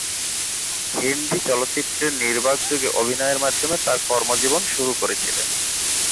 তিনি হিন্দি চলচ্চিত্রের নির্বাক যুগে অভিনয়ের মাধ্যমে তার কর্মজীবন শুরু করেছিলেন।